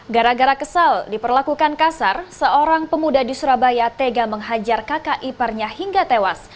gara gara kesal diperlakukan kasar seorang pemuda di surabaya tega menghajar kakak iparnya hingga tewas